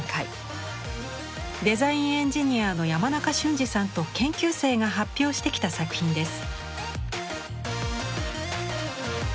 デザインエンジニアの山中俊治さんと研究生が発表してきた作品です。